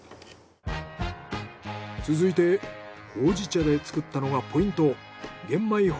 続いてほうじ茶で作ったのがポイント。